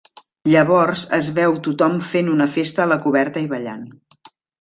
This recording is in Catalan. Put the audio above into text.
Llavors es veu tothom fent una festa a la coberta i ballant.